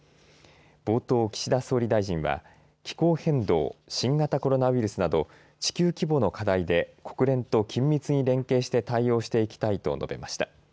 冒頭、岸田総理大臣は気候変動、新型コロナウイルスなど地球規模の課題で国連と緊密に連携して対応していきたいと述べました。